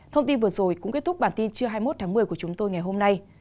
thông tin vừa rồi cũng kết thúc bản tin trưa hai mươi một tháng một mươi của chúng tôi ngày hôm nay